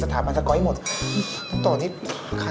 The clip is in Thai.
สามารถรับชมได้ทุกวัย